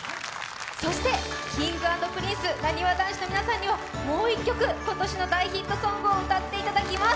そして、Ｋｉｎｇ＆Ｐｒｉｎｃｅなにわ男子の皆さんにももう１曲、今年の大ヒットソングを歌っていただきます。